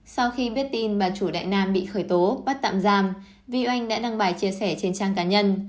sau khi biết tin bà chủ đại nam bị khởi tố bắt tạm giam vi oanh đã đăng bài chia sẻ trên trang cá nhân